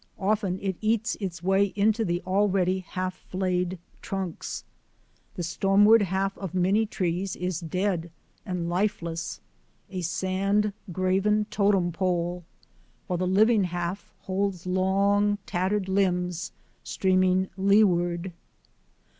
Often it eats its way into the already half flayed trunks. The storm ward half of many trees is dead and lifeless, a sand graven totem pole, while the living half holds long, tattered limbs streaming leeward.